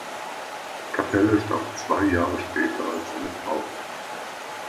Cappelle starb zwei Jahre später als seine Frau.